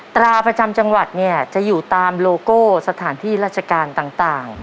ตราประจำจังหวัดเนี่ยจะอยู่ตามโลโก้สถานที่ราชการต่าง